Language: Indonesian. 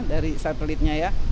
dari satelitnya ya